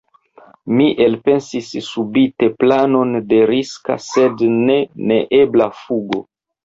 Mi elpensis subite planon de riska, sed ne neebla fugo.